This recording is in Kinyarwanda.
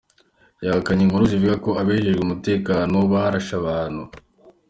Yahakanye inkuru zivuga ko abajejwe umutekano barashe abantu.